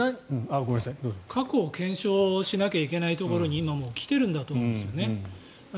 過去を検証しなきゃいけないところに今、もう来ているんだと思うんですよね。